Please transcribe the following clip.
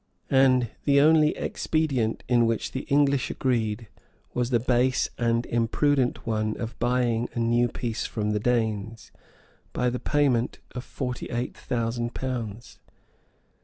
And the only expedient in which the English agreed, was the base and imprudent one of buying a new peace from the Danes, by the payment of forty eight thousand pounds.